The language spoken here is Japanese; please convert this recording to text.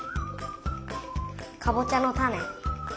かぼちゃのたね。